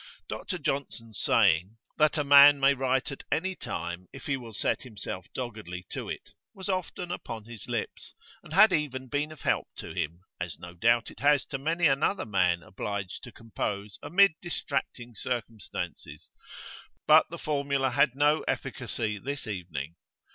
Dr Johnson's saying, that a man may write at any time if he will set himself doggedly to it, was often upon his lips, and had even been of help to him, as no doubt it has to many another man obliged to compose amid distracting circumstances; but the formula had no efficacy this evening.